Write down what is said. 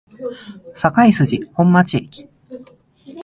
堺筋本町駅